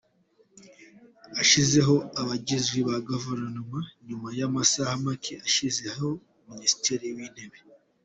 Ashyizeho abagize Guverinoma nyuma y’amasaha make ashyizeho Minisitiri w’Intebe